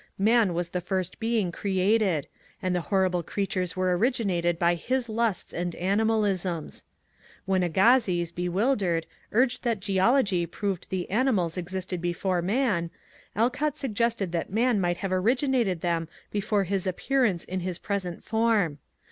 Man was the first being created. And the horrible creap tures were originated by his lusts and animalisms. When Agassiz, bewildered, urged that geology proved that the ani A6ASSIZ 153 mals existed before man, Aloott suggested that man might have originated them before his appearance in his present form.